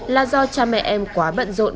là do cha mẹ em quá bận rộn